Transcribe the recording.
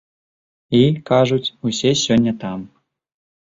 І, кажуць, усе сёння там.